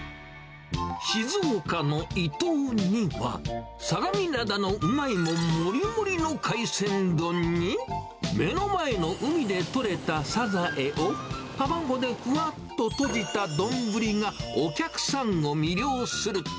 静岡の伊東には、相模灘のうまいもんもりもりの海鮮丼に、目の前の海で取れたサザエを、卵でふわっととじた丼がお客さんを魅了する。